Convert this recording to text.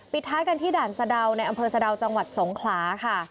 ท้ายกันที่ด่านสะดาวในอำเภอสะดาวจังหวัดสงขลาค่ะ